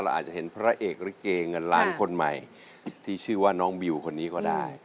อาจจะเห็นพระเอกลิเกเงินล้านคนใหม่ที่ชื่อว่าน้องบิวคนนี้ก็ได้